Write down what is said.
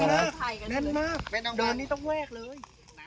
ไข่กันแน่นมากแม่นางดากแม่นานนี่ต้องแวกเลย